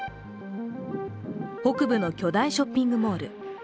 北部の巨大ショッピングモール。